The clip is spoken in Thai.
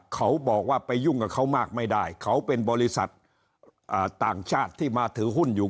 เขาบอกว่าไปยุ่งกับเขามากไม่ได้เขาเป็นบริษัทต่างชาติที่มาถือหุ้นอยู่